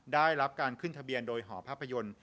ได้รับการขึ้นทะเบียนโดยหอภาพยนตร์